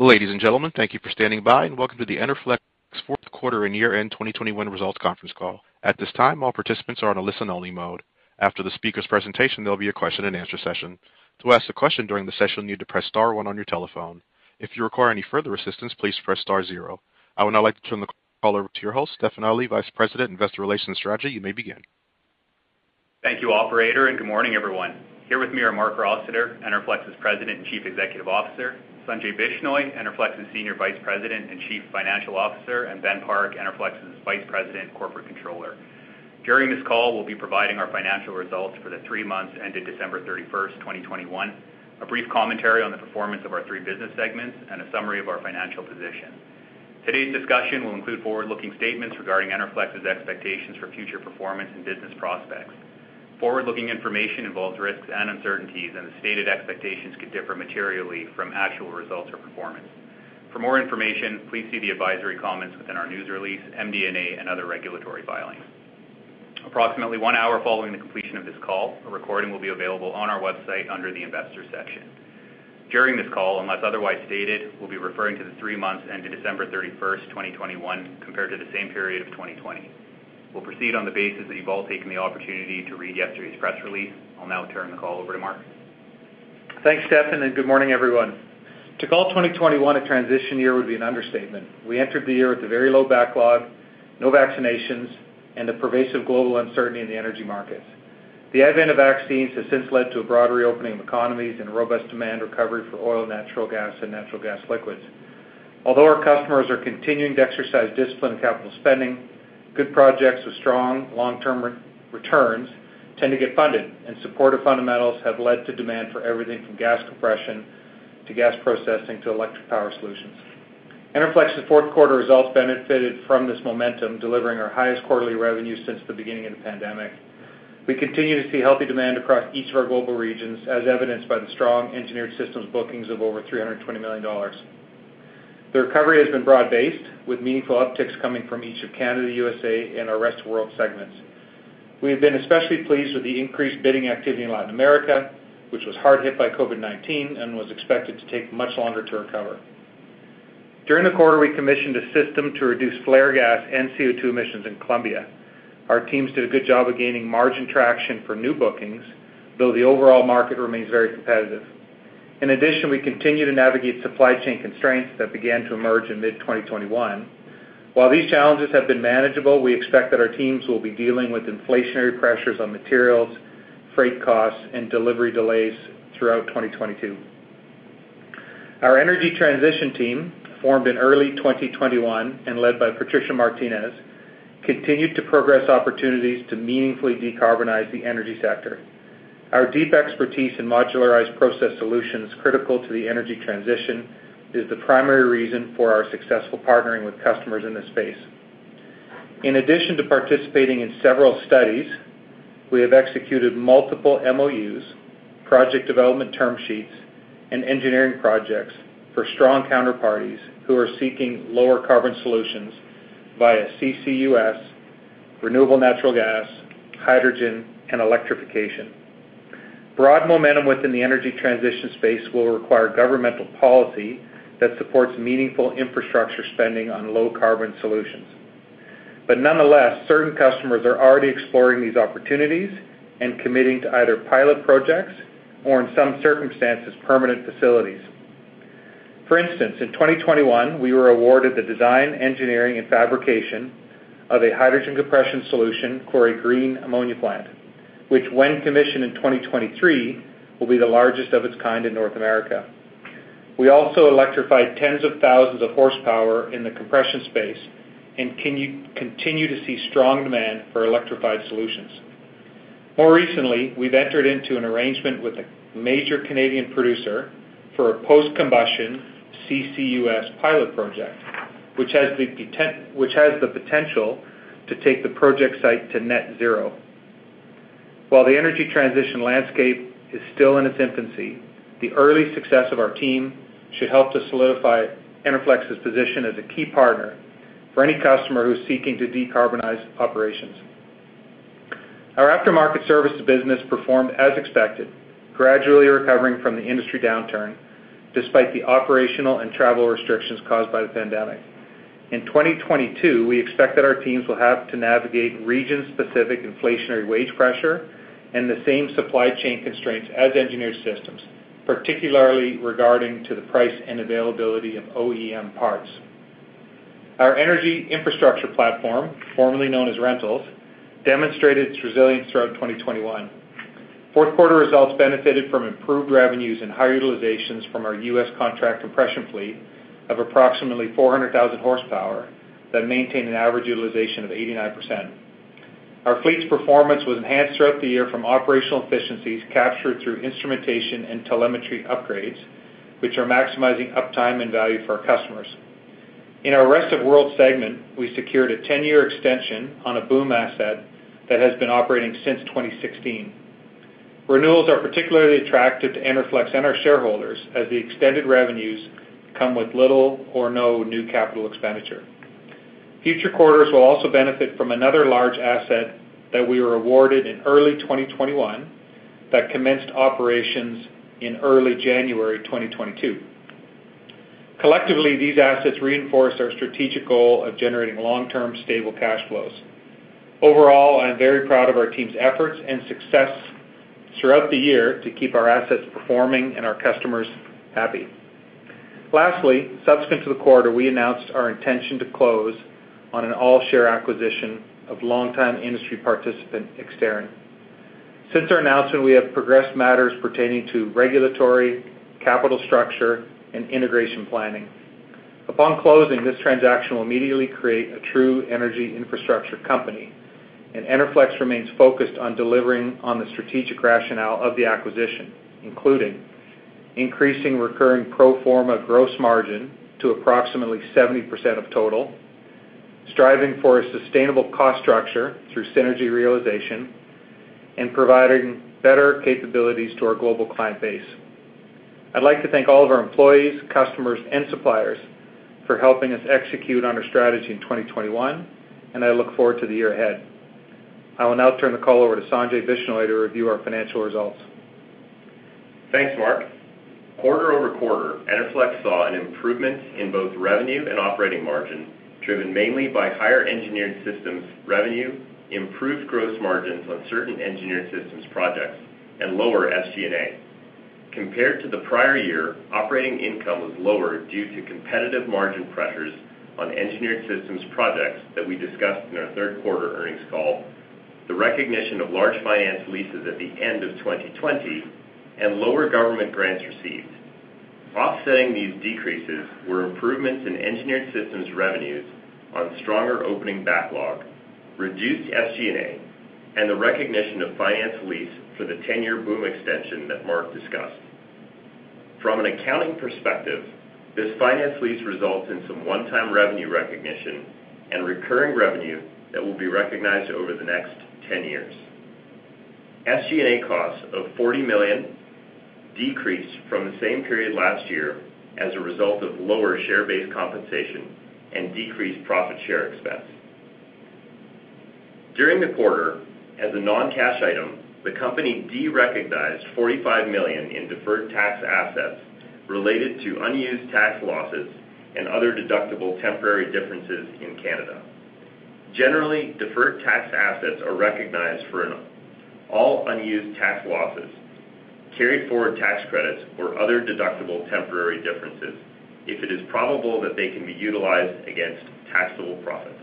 Ladies and gentlemen, thank you for standing by, and welcome to the Enerflex fourth quarter and year-end 2021 results conference call. At this time, all participants are in listen-only mode. After the speaker's presentation, there'll be a question and answer session. To ask a question during the session, you need to press star one on your telephone. If you require any further assistance, please press star zero. I would now like to turn the call over to your host, Stefan Ali, Vice President, Investor Relations, Strategy. You may begin. Thank you operator, and good morning, everyone. Here with me are Marc Rossiter, Enerflex's President and Chief Executive Officer; Sanjay Bishnoi, Enerflex's Senior Vice President and Chief Financial Officer; and Ben Park Enerflex's Vice President, Corporate Controller. During this call, we'll be providing our financial results for the three months ended December 31st, 2021, a brief commentary on the performance of our three business segments, and a summary of our financial position. Today's discussion will include forward-looking statements regarding Enerflex's expectations for future performance and business prospects. Forward-looking information involves risks and uncertainties, and the stated expectations could differ materially from actual results or performance. For more information, please see the advisory comments within our news release, MD&A, and other regulatory filings. Approximately one hour following the completion of this call, a recording will be available on our website under the Investors section. During this call, unless otherwise stated, we'll be referring to the three months ended December 31st, 2021 compared to the same period of 2020. We'll proceed on the basis that you've all taken the opportunity to read yesterday's press release. I'll now turn the call over to Marc. Thanks, Stefan, and good morning, everyone. To call 2021 a transition year would be an understatement. We entered the year with a very low backlog, no vaccinations, and the pervasive global uncertainty in the energy markets. The advent of vaccines has since led to a broad reopening of economies and robust demand recovery for oil, natural gas, and natural gas liquids. Although our customers are continuing to exercise discipline in capital spending, good projects with strong long-term returns tend to get funded, and supportive fundamentals have led to demand for everything from gas compression, to gas processing, to electric power solutions. Enerflex's fourth quarter results benefited from this momentum, delivering our highest quarterly revenue since the beginning of the pandemic. We continue to see healthy demand across each of our global regions, as evidenced by the strong Engineered Systems bookings of over 320 million dollars. The recovery has been broad-based with meaningful upticks coming from each of Canada, U.S.A and our Rest of World segments. We have been especially pleased with the increased bidding activity in Latin America, which was hard hit by COVID-19 and was expected to take much longer to recover. During the quarter, we commissioned a system to reduce flare gas and CO2 emissions in Colombia. Our teams did a good job of gaining margin traction for new bookings, though the overall market remains very competitive. In addition, we continue to navigate supply chain constraints that began to emerge in mid-2021. While these challenges have been manageable, we expect that our teams will be dealing with inflationary pressures on materials, freight costs, and delivery delays throughout 2022. Our energy transition team, formed in early 2021 and led by Patricia Martinez, continued to progress opportunities to meaningfully decarbonize the energy sector. Our deep expertise in modularized process solutions critical to the energy transition is the primary reason for our successful partnering with customers in this space. In addition to participating in several studies, we have executed multiple MOUs, project development term sheets, and engineering projects for strong counterparties who are seeking lower carbon solutions via CCUS, renewable natural gas, hydrogen, and electrification. Broad momentum within the energy transition space will require governmental policy that supports meaningful infrastructure spending on low carbon solutions. Nonetheless, certain customers are already exploring these opportunities and committing to either pilot projects or, in some circumstances, permanent facilities. For instance, in 2021, we were awarded the design, engineering, and fabrication of a hydrogen compression solution for a green ammonia plant, which, when commissioned in 2023, will be the largest of its kind in North America. We also electrified tens of thousands of horsepower in the compression space and continue to see strong demand for electrified solutions. More recently, we've entered into an arrangement with a major Canadian producer for a post-combustion CCUS pilot project, which has the potential to take the project site to net zero. While the energy transition landscape is still in its infancy, the early success of our team should help to solidify Enerflex's position as a key partner for any customer who's seeking to decarbonize operations. Our aftermarket service business performed as expected, gradually recovering from the industry downturn despite the operational and travel restrictions caused by the pandemic. In 2022, we expect that our teams will have to navigate region-specific inflationary wage pressure and the same supply chain constraints as Engineered Systems, particularly regarding to the price and availability of OEM parts. Our Energy Infrastructure platform, formerly known as Rentals, demonstrated its resilience throughout 2021. Fourth quarter results benefited from improved revenues and high utilizations from our U.S. Contract Compression fleet of approximately 400,000 horsepower that maintained an average utilization of 89%. Our fleet's performance was enhanced throughout the year from operational efficiencies captured through instrumentation and telemetry upgrades, which are maximizing uptime and value for our customers. In our Rest of World segment, we secured a 10-year extension on a BOOM asset that has been operating since 2016. Renewals are particularly attractive to Enerflex and our shareholders as the extended revenues come with little or no new capital expenditure. Future quarters will also benefit from another large asset that we were awarded in early 2021 that commenced operations in early January 2022. Collectively, these assets reinforce our strategic goal of generating long-term stable cash flows. Overall, I'm very proud of our team's efforts and success throughout the year to keep our assets performing and our customers happy. Lastly, subsequent to the quarter, we announced our intention to close on an all-share acquisition of long-time industry participant, Exterran. Since our announcement, we have progressed matters pertaining to regulatory, capital structure, and integration planning. Upon closing, this transaction will immediately create a true Energy Infrastructure company, and Enerflex remains focused on delivering on the strategic rationale of the acquisition, including increasing recurring pro forma gross margin to approximately 70% of total, striving for a sustainable cost structure through synergy realization, and providing better capabilities to our global client base. I'd like to thank all of our employees, customers, and suppliers for helping us execute on our strategy in 2021, and I look forward to the year ahead. I will now turn the call over to Sanjay Bishnoi to review our financial results. Thanks, Marc. Quarter-over-quarter, Enerflex saw an improvement in both revenue and operating margin, driven mainly by higher Engineered Systems revenue, improved gross margins on certain Engineered Systems projects, and lower SG&A. Compared to the prior year, operating income was lower due to competitive margin pressures on Engineered Systems projects that we discussed in our third quarter earnings call, the recognition of large finance leases at the end of 2020, and lower government grants received. Offsetting these decreases were improvements in Engineered Systems revenues on stronger opening backlog, reduced SG&A, and the recognition of finance lease for the 10-year BOOM extension that Marc discussed. From an accounting perspective, this finance lease results in some one-time revenue recognition and recurring revenue that will be recognized over the next 10 years. SG&A costs of 40 million decreased from the same period last year as a result of lower share-based compensation and decreased profit share expense. During the quarter, as a non-cash item, the company derecognized 45 million in deferred tax assets related to unused tax losses and other deductible temporary differences in Canada. Generally, deferred tax assets are recognized for all unused tax losses, carry forward tax credits or other deductible temporary differences if it is probable that they can be utilized against taxable profits.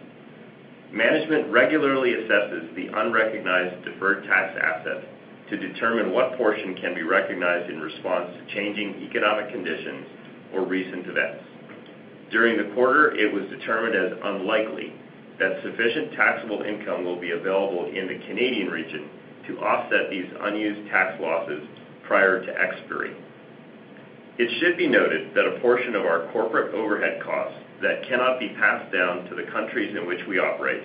Management regularly assesses the unrecognized deferred tax assets to determine what portion can be recognized in response to changing economic conditions or recent events. During the quarter, it was determined as unlikely that sufficient taxable income will be available in the Canadian region to offset these unused tax losses prior to expiry. It should be noted that a portion of our corporate overhead costs that cannot be passed down to the countries in which we operate,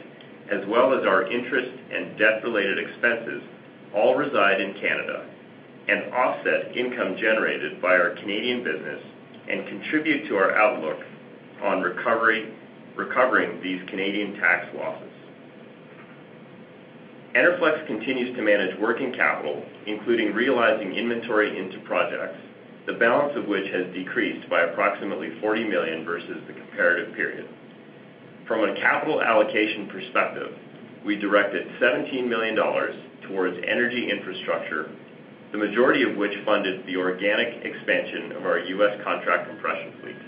as well as our interest and debt-related expenses, all reside in Canada and offset income generated by our Canadian business and contribute to our outlook on recovery, recovering these Canadian tax losses. Enerflex continues to manage working capital, including realizing inventory into projects, the balance of which has decreased by approximately 40 million versus the comparative period. From a capital allocation perspective, we directed 17 million dollars towards Energy Infrastructure, the majority of which funded the organic expansion of our U.S. Contract Compression fleet.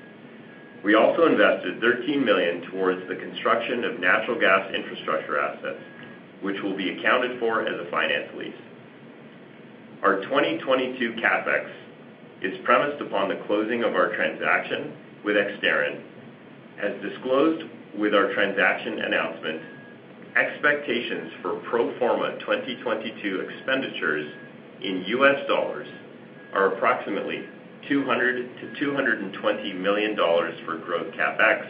We also invested 13 million towards the construction of natural gas infrastructure assets, which will be accounted for as a finance lease. Our 2022 CapEx is premised upon the closing of our transaction with Exterran. As disclosed with our transaction announcement, expectations for pro forma 2022 expenditures in U.S. dollars are approximately $200 million-$220 million for growth CapEx,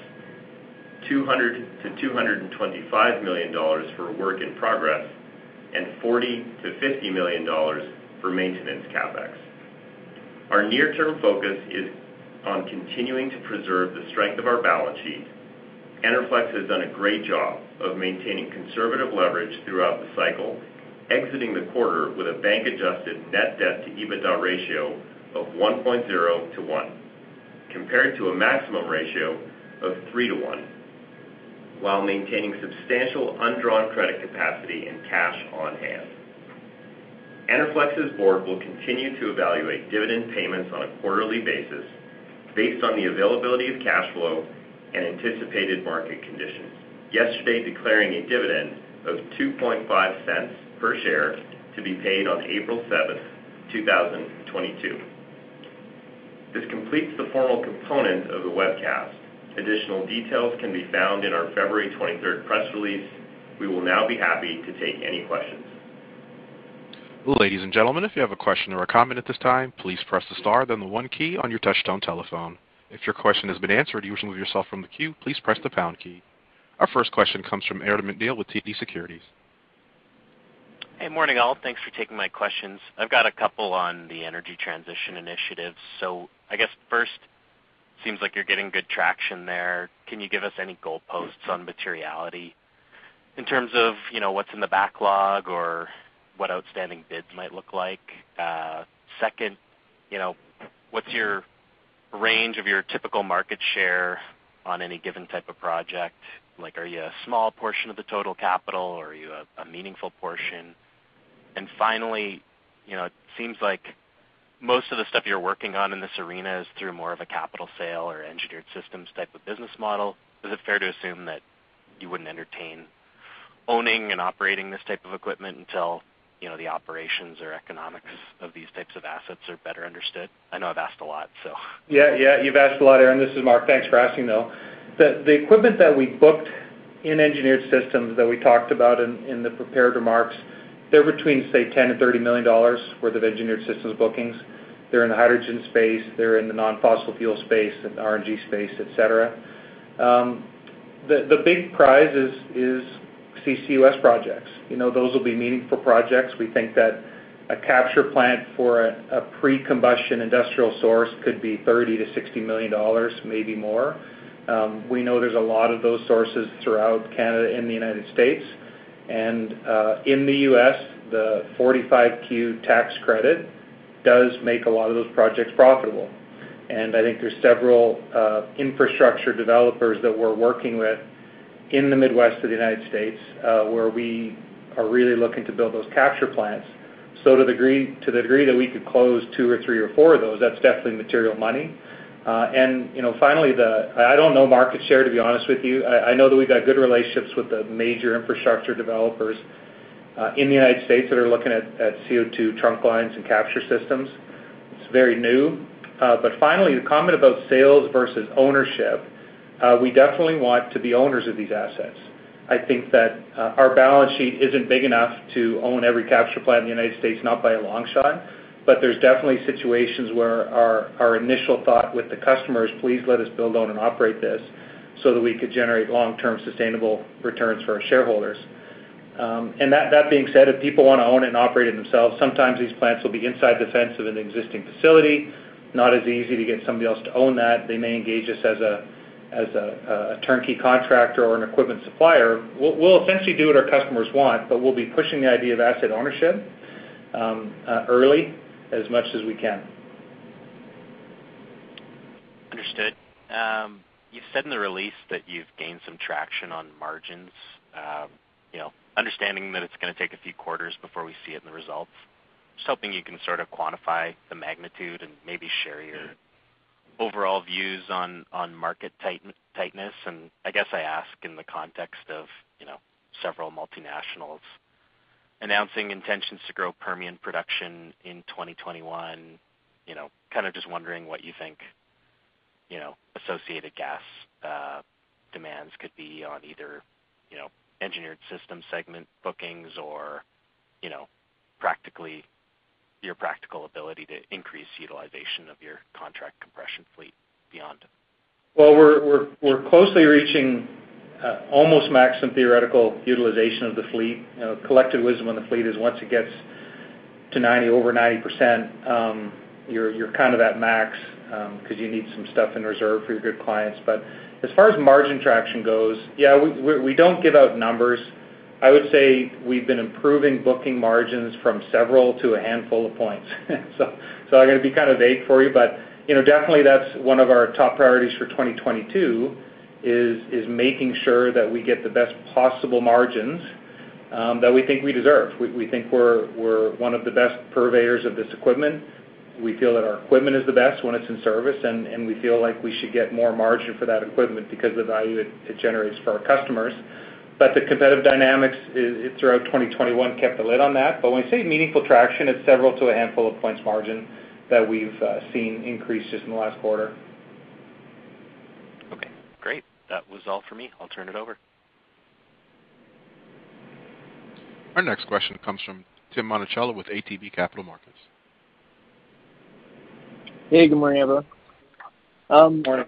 $200 million-$225 million for work in progress, and $40 million-$50 million for maintenance CapEx. Our near-term focus is on continuing to preserve the strength of our balance sheet. Enerflex has done a great job of maintaining conservative leverage throughout the cycle, exiting the quarter with a bank-adjusted net debt-to-EBITDA ratio of 1.0 to 1, compared to a maximum ratio of 3:1, while maintaining substantial undrawn credit capacity and cash on hand. Enerflex's Board will continue to evaluate dividend payments on a quarterly basis based on the availability of cash flow and anticipated market conditions, yesterday declaring a dividend of 0.025 per share to be paid on April 7th, 2022. This completes the formal component of the webcast. Additional details can be found in our February 23rd press release. We will now be happy to take any questions. Ladies and gentlemen, if you have a question or a comment at this time, please press the star, then the one key on your touchtone telephone. If your question has been answered and you wish to remove yourself from the queue, please press the pound key. Our first question comes from Aaron MacNeil with TD Securities. Hey, morning, all. Thanks for taking my questions. I've got a couple on the energy transition initiatives. I guess first, seems like you're getting good traction there. Can you give us any goalposts on materiality in terms of, you know, what's in the backlog or what outstanding bids might look like? Second, you know, what's your range of your typical market share on any given type of project? Like, are you a small portion of the total capital, or are you a meaningful portion? Finally, you know, it seems like most of the stuff you're working on in this arena is through more of a capital sale or Engineered Systems type of business model. Is it fair to assume that you wouldn't entertain owning and operating this type of equipment until, you know, the operations or economics of these types of assets are better understood? I know I've asked a lot, so Yeah. You've asked a lot, Aaron. This is Marc. Thanks for asking, though. The equipment that we booked in Engineered Systems that we talked about in the prepared remarks, they're between, say, 10 million-30 million dollars worth of Engineered Systems bookings. They're in the hydrogen space. They're in the non-fossil fuel space and the RNG space, et cetera. The big prize is CCUS projects. You know, those will be meaningful projects. We think that a capture plant for a pre-combustion industrial source could be 30 million-60 million dollars, maybe more. We know there's a lot of those sources throughout Canada and the United States. In the U.S., the 45Q tax credit does make a lot of those projects profitable. I think there's several infrastructure developers that we're working with in the Midwest of the United States, where we are really looking to build those capture plants. To the degree that we could close two, three, or four of those, that's definitely material money. You know, finally, I don't know market share, to be honest with you. I know that we've got good relationships with the major infrastructure developers in the United States that are looking at CO2 trunk lines and capture systems. It's very new. Finally, the comment about sales versus ownership, we definitely want to be owners of these assets. I think that our balance sheet isn't big enough to own every capture plant in the United States, not by a long shot, but there's definitely situations where our initial thought with the customer is, "Please let us build, own, and operate this so that we could generate long-term sustainable returns for our shareholders." That being said, if people wanna own it and operate it themselves, sometimes these plants will be inside the fence of an existing facility, not as easy to get somebody else to own that. They may engage us as a turnkey contractor or an equipment supplier. We'll essentially do what our customers want, but we'll be pushing the idea of asset ownership early as much as we can. Understood. You said in the release that you've gained some traction on margins. You know, understanding that it's gonna take a few quarters before we see it in the results, just hoping you can sort of quantify the magnitude and maybe share your overall views on market tightness. I guess I ask in the context of, you know, several multinationals announcing intentions to grow Permian production in 2021. You know, kind of just wondering what you think, you know, associated gas demands could be on either, you know, Engineered Systems segment bookings or, you know, practically your practical ability to increase utilization of your Contract Compression fleet beyond. Well, we're closely reaching almost maximum theoretical utilization of the fleet. You know, collective wisdom on the fleet is once it gets to 90%, over 90%, you're kind of at max 'cause you need some stuff in reserve for your good clients. As far as margin traction goes, yeah, we don't give out numbers. I would say we've been improving booking margins from several to a handful of points. I'm gonna be kind of vague for you, but you know, definitely that's one of our top priorities for 2022 is making sure that we get the best possible margins that we think we deserve. We think we're one of the best purveyors of this equipment. We feel that our equipment is the best when it's in service, and we feel like we should get more margin for that equipment because the value it generates for our customers. The competitive dynamics is throughout 2021 kept a lid on that. When we say meaningful traction, it's several to a handful of points margin that we've seen increase just in the last quarter. Okay, great. That was all for me. I'll turn it over. Our next question comes from Tim Monachello with ATB Capital Markets. Hey, good morning, everyone. Morning.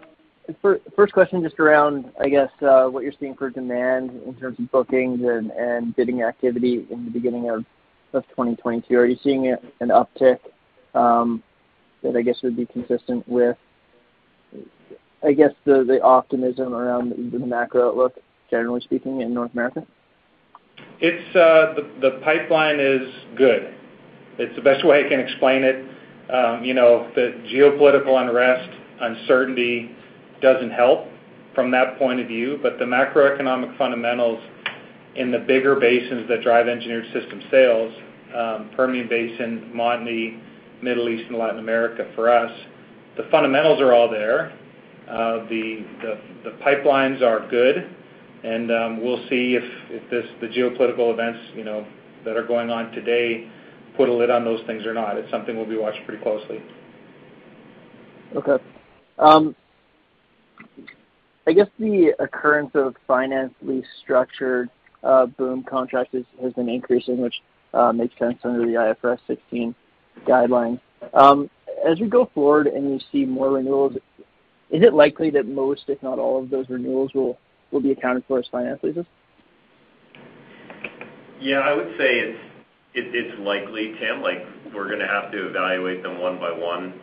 First question just around, I guess, what you're seeing for demand in terms of bookings and bidding activity in the beginning of 2022. Are you seeing an uptick that I guess would be consistent with, I guess the optimism around the macro outlook, generally speaking in North America? The pipeline is good. It's the best way I can explain it. You know, the geopolitical unrest, uncertainty doesn't help from that point of view, but the macroeconomic fundamentals in the bigger basins that drive Engineered Systems sales, Permian Basin, Montney, Middle East, and Latin America for us, the fundamentals are all there. The pipelines are good. We'll see if the geopolitical events, you know, that are going on today put a lid on those things or not. It's something we'll be watching pretty closely. Okay. I guess the occurrence of finance lease structured BOOM contracts has been increasing, which makes sense under the IFRS 16 guidelines. As we go-forward and we see more renewals. Is it likely that most, if not all of those renewals will be accounted for as finance leases? Yeah, I would say it's likely, Tim. Like, we're gonna have to evaluate them one by one.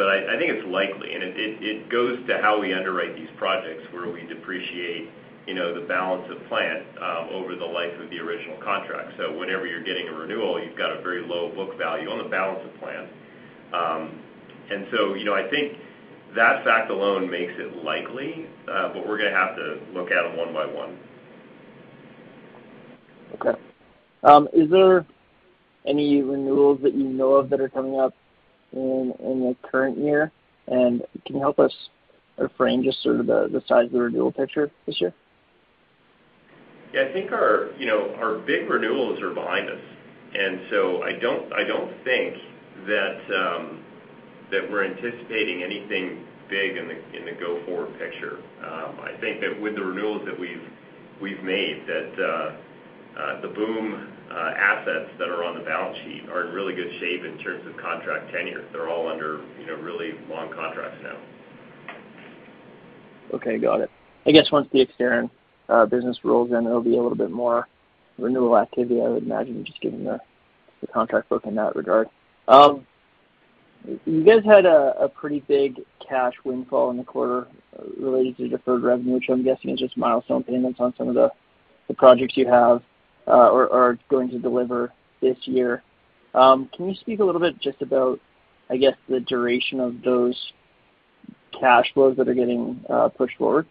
I think it's likely, and it goes to how we underwrite these projects where we depreciate, you know, the balance of plant, over the life of the original contract. Whenever you're getting a renewal, you've got a very low book value on the balance of plant. You know, I think that fact alone makes it likely, but we're gonna have to look at them one by one. Okay. Is there any renewals that you know of that are coming up in the current year? Can you help us frame just sort of the size of the renewal picture this year? Yeah. I think our you know our big renewals are behind us. I don't think that we're anticipating anything big in the go-forward picture. I think that with the renewals that we've made the BOOM assets that are on the balance sheet are in really good shape in terms of contract tenure. They're all under you know really long contracts now. Okay. Got it. I guess once the Exterran business rolls in, there'll be a little bit more renewal activity, I would imagine, just given the contract book in that regard. You guys had a pretty big cash windfall in the quarter related to deferred revenue, which I'm guessing is just milestone payments on some of the projects you have or are going to deliver this year. Can you speak a little bit just about, I guess, the duration of those cash flows that are getting pushed forward?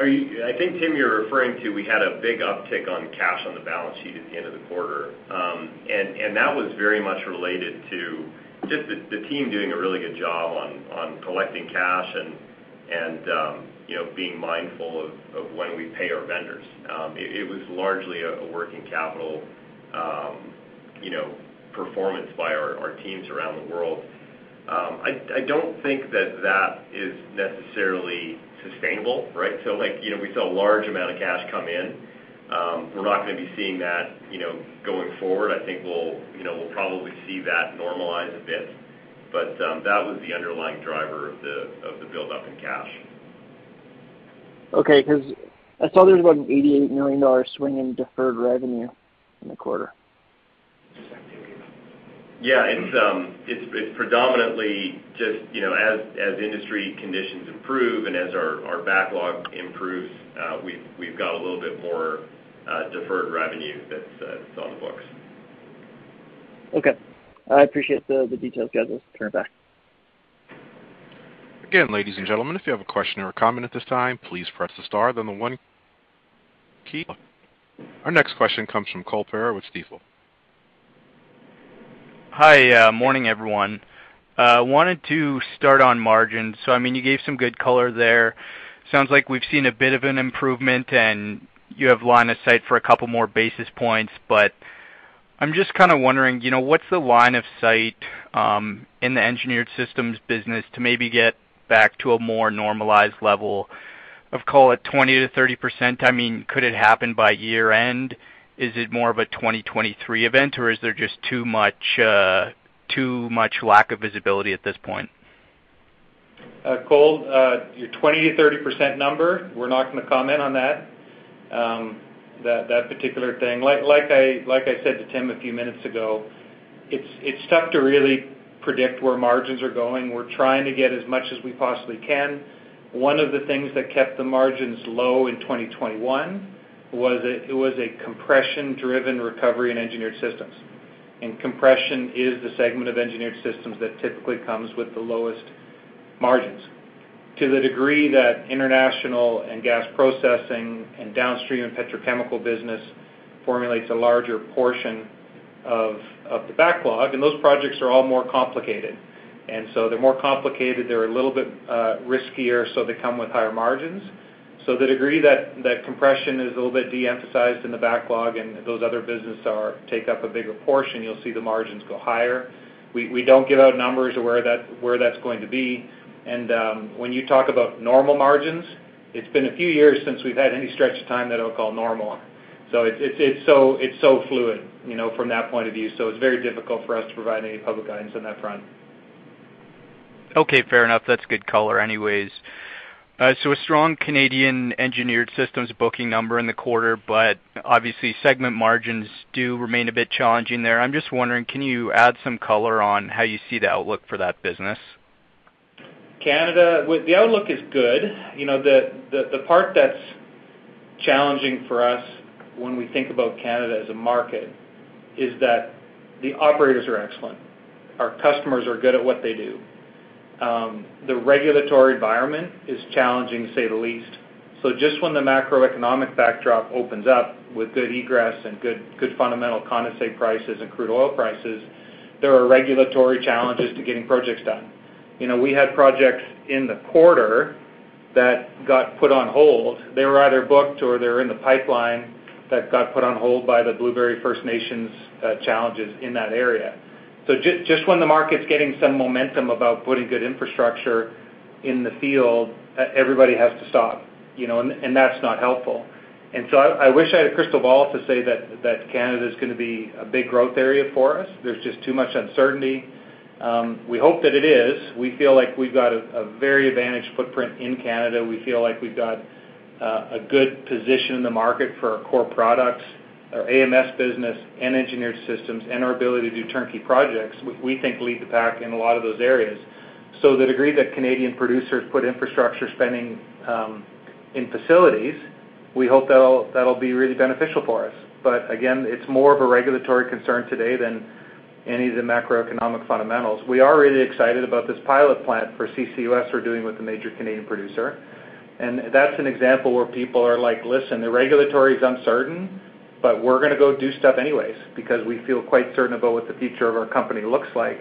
I think, Tim, you're referring to we had a big uptick on cash on the balance sheet at the end of the quarter. And that was very much related to just the team doing a really good job on collecting cash and you know, being mindful of when we pay our vendors. It was largely a working capital you know, performance by our teams around the world. I don't think that is necessarily sustainable, right? Like, you know, we saw a large amount of cash come in. We're not gonna be seeing that, you know, going forward. I think we'll, you know, probably see that normalize a bit, but that was the underlying driver of the buildup in cash. Okay. 'Cause I saw there was about an 88 million dollar swing in deferred revenue in the quarter. Yeah. It's predominantly just, you know, as industry conditions improve and as our backlog improves, we've got a little bit more deferred revenue that's on the books. Okay. I appreciate the details, guys. I'll turn it back. Again, ladies and gentlemen, if you have a question or a comment at this time, please press the star then the one key. Our next question comes from Cole Pereira with Stifel. Hi. Morning, everyone. Wanted to start on margins. I mean, you gave some good color there. Sounds like we've seen a bit of an improvement, and you have line of sight for a couple more basis points. I'm just kinda wondering, you know, what's the line of sight in the Engineered Systems business to maybe get back to a more normalized level of, call it, 20%-30%? I mean, could it happen by year-end? Is it more of a 2023 event, or is there just too much lack of visibility at this point? Cole, your 20%-30% number, we're not gonna comment on that particular thing. Like I said to Tim a few minutes ago, it's tough to really predict where margins are going. We're trying to get as much as we possibly can. One of the things that kept the margins low in 2021 was a compression-driven recovery in Engineered Systems, and compression is the segment of Engineered Systems that typically comes with the lowest margins. To the degree that international and gas processing and downstream and petrochemical business formulates a larger portion of the backlog, and those projects are all more complicated. They're more complicated, they're a little bit riskier, so they come with higher margins. The degree that compression is a little bit de-emphasized in the backlog and those other businesses take up a bigger portion, you'll see the margins go higher. We don't give out numbers on where that's going to be. When you talk about normal margins, it's been a few years since we've had any stretch of time that I would call normal. It's so fluid, you know, from that point of view. It's very difficult for us to provide any public guidance on that front. Okay. Fair enough. That's good color anyways. A strong Canadian Engineered Systems booking number in the quarter, but obviously segment margins do remain a bit challenging there. I'm just wondering, can you add some color on how you see the outlook for that business? Canada. Well, the outlook is good. You know, the part that's challenging for us when we think about Canada as a market is that the operators are excellent. Our customers are good at what they do. The regulatory environment is challenging to say the least. Just when the macroeconomic backdrop opens up with good egress and good fundamental condensate prices and crude oil prices, there are regulatory challenges to getting projects done. You know, we had projects in the quarter that got put on hold. They were either booked or they're in the pipeline that got put on hold by the Blueberry First Nations challenges in that area. Just when the market's getting some momentum about putting good infrastructure In the field, everybody has to stop, and that's not helpful. I wish I had a crystal ball to say Canada is gonna be a big growth area for us. There's just too much uncertainty. We hope that it is. We feel like we've got a very advantaged footprint in Canada. We feel like we've got a good position in the market for our core products, our AMS business and Engineered Systems and our ability to do turnkey projects. We think we lead the pack in a lot of those areas. The degree that Canadian producers put infrastructure spending in facilities, we hope that'll be really beneficial for us. Again, it's more of a regulatory concern today than any of the macroeconomic fundamentals. We are really excited about this pilot plant for CCUS we're doing with a major Canadian producer. That's an example where people are like, "Listen, the regulatory is uncertain, but we're gonna go do stuff anyways because we feel quite certain about what the future of our company looks like.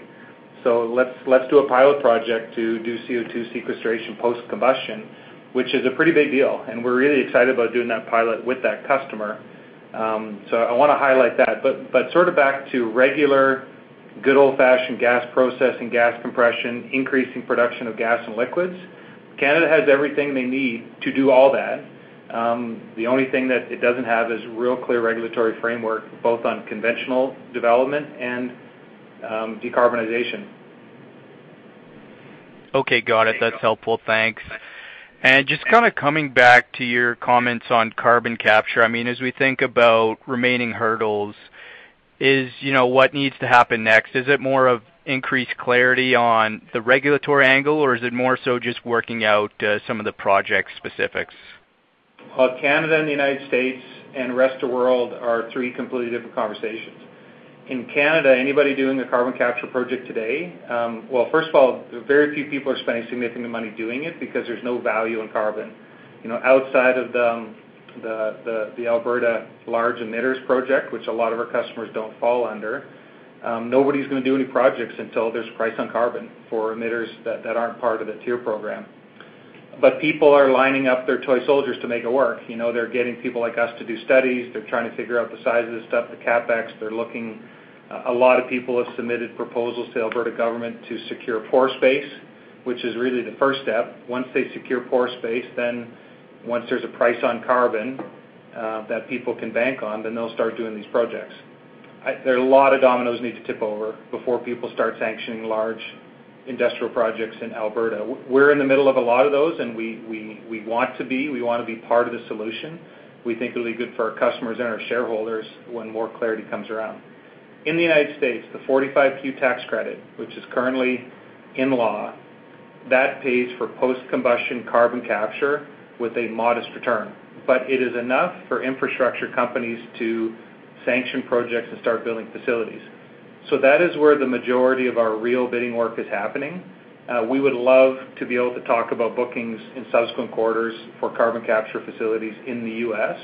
Let's do a pilot project to do CO2 sequestration post combustion," which is a pretty big deal. We're really excited about doing that pilot with that customer. I wanna highlight that, but sort of back to regular good old-fashioned gas processing, gas compression, increasing production of gas and liquids. Canada has everything they need to do all that. The only thing that it doesn't have is real clear regulatory framework, both on conventional development and decarbonization. Okay. Got it. That's helpful. Thanks. Just kinda coming back to your comments on carbon capture. I mean, as we think about remaining hurdles is, you know, what needs to happen next? Is it more of increased clarity on the regulatory angle, or is it more so just working out, some of the project specifics? Canada and the United States and Rest of World are three completely different conversations. In Canada, anybody doing a carbon capture project today, first of all, very few people are spending significant money doing it because there's no value in carbon. You know, outside of the Alberta Large Emitters project, which a lot of our customers don't fall under, nobody's gonna do any projects until there's price on carbon for emitters that aren't part of the TIER program. People are lining up their toy soldiers to make it work. You know, they're getting people like us to do studies. They're trying to figure out the size of the stuff, the CapEx. They're looking. A lot of people have submitted proposals to Alberta government to secure pore space, which is really the first step. Once they secure pore space, then once there's a price on carbon, that people can bank on, then they'll start doing these projects. There are a lot of dominoes need to tip over before people start sanctioning large industrial projects in Alberta. We're in the middle of a lot of those, and we want to be. We wanna be part of the solution. We think it'll be good for our customers and our shareholders when more clarity comes around. In the United States, the 45Q tax credit, which is currently in law, that pays for post-combustion carbon capture with a modest return. It is enough for infrastructure companies to sanction projects and start building facilities. That is where the majority of our real bidding work is happening. We would love to be able to talk about bookings in subsequent quarters for carbon capture facilities in the U.S.,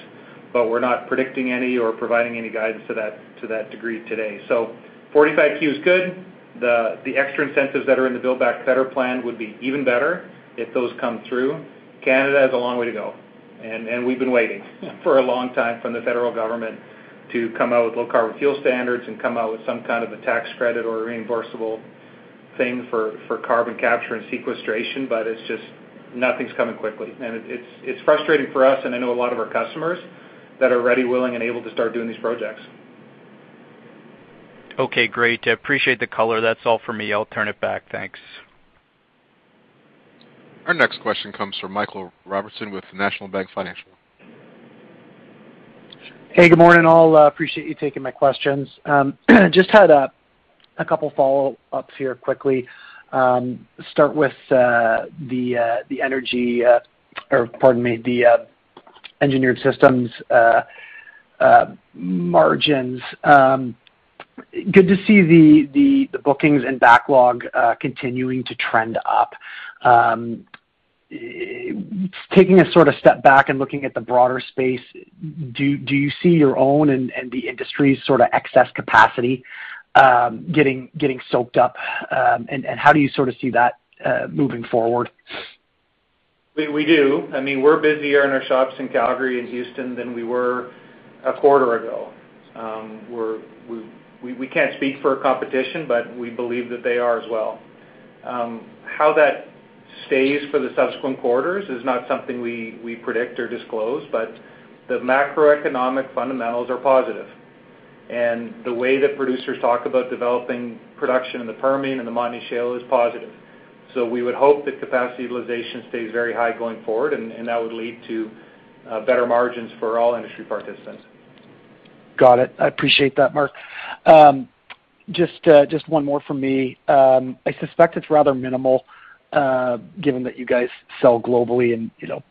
but we're not predicting any or providing any guidance to that degree today. So 45Q is good. The extra incentives that are in the Build Back Better plan would be even better if those come through. Canada has a long way to go, and we've been waiting for a long time from the federal government to come out with low carbon fuel standards and come out with some kind of a tax credit or a reimbursable thing for carbon capture and sequestration, but it's just nothing's coming quickly. It's frustrating for us, and I know a lot of our customers that are ready, willing, and able to start doing these projects. Okay. Great. Appreciate the color. That's all for me. I'll turn it back. Thanks. Our next question comes from Michael Robertson with National Bank Financial. Hey, good morning, all. Appreciate you taking my questions. Just had a couple follow-ups here quickly. Start with the Engineered Systems margins. Good to see the bookings and backlog continuing to trend up. Taking a sort of step back and looking at the broader space, do you see your own and the industry's sort of excess capacity getting soaked up? And how do you sort of see that moving forward? We do. I mean, we're busier in our shops in Calgary and Houston than we were a quarter ago. We can't speak for our competition, but we believe that they are as well. How that stays for the subsequent quarters is not something we predict or disclose, but the macroeconomic fundamentals are positive. The way that producers talk about developing production in the Permian and the Montney Shale is positive. We would hope that capacity utilization stays very high going forward, and that would lead to better margins for all industry participants. Got it. I appreciate that, Marc. Just one more from me. I suspect it's rather minimal, given that you guys sell globally and, you know,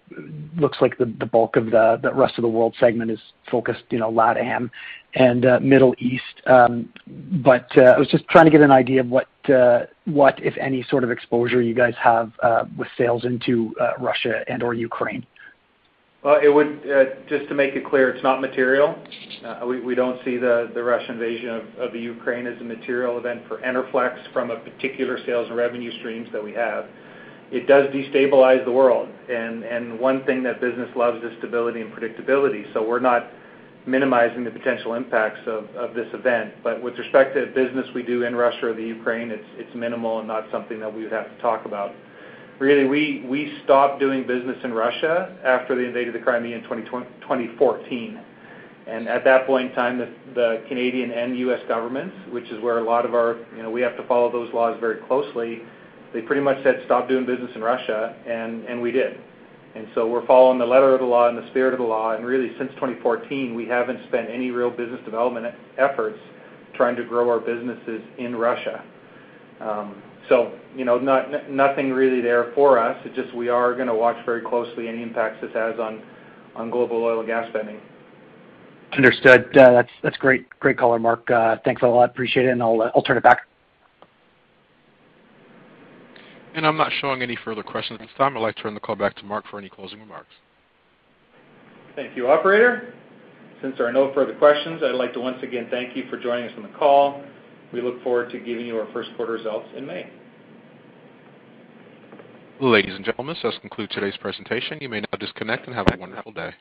looks like the bulk of the rest of the world segment is focused in LATAM and Middle East. I was just trying to get an idea of what, if any, sort of exposure you guys have with sales into Russia and/or Ukraine. Well, just to make it clear, it's not material. We don't see the Russian invasion of the Ukraine as a material event for Enerflex from a particular sales and revenue streams that we have. It does destabilize the world and one thing that business loves is stability and predictability. We're not minimizing the potential impacts of this event. With respect to the business we do in Russia or the Ukraine, it's minimal and not something that we would have to talk about. Really, we stopped doing business in Russia after they invaded the Crimea in 2014. At that point in time, the Canadian and U.S. governments, which is where a lot of our you know, we have to follow those laws very closely. They pretty much said, "Stop doing business in Russia," and we did. We're following the letter of the law and the spirit of the law. Really since 2014, we haven't spent any real business development efforts trying to grow our businesses in Russia. You know, nothing really there for us. It's just we are gonna watch very closely any impacts this has on global oil and gas spending. Understood. That's great. Great color, Marc. Thanks a lot. Appreciate it, and I'll turn it back. I'm not showing any further questions at this time. I'd like to turn the call back to Marc for any closing remarks. Thank you, operator. Since there are no further questions, I'd like to once again thank you for joining us on the call. We look forward to giving you our first quarter results in May. Ladies and gentlemen, this does conclude today's presentation. You may now disconnect and have a wonderful day.